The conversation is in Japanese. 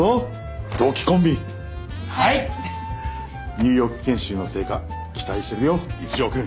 ニューヨーク研修の成果期待してるよ一条くん。